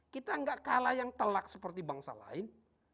kita gak kalah yang telak seperti bangsa lain